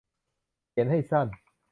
เขียนให้สั้น